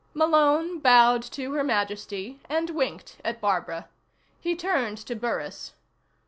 Malone bowed to Her Majesty, and winked at Barbara. He turned to Burris.